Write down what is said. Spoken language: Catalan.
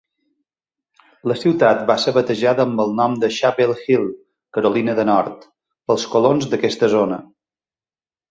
La ciutat va ser batejada amb el nom de Chapel Hill, Carolina de Nord, pels colons d'aquesta zona.